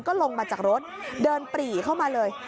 ก็ลงมาจากรถเดินปรีเข้ามาเลย